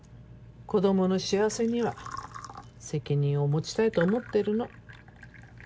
子供の幸せには責任を持ちたいと思ってるの。